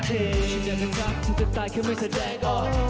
แค่จะกรักเธอจะตายแค่ไมสะแดกออก